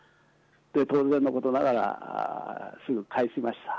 当然のことながら、すぐ返しました。